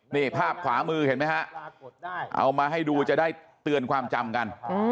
นี่ภาพขวามือเห็นไหมฮะเอามาให้ดูจะได้เตือนความจำกัน